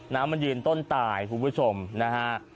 น้ำมันยืนต้นตายคุณผู้ชมนะฮะ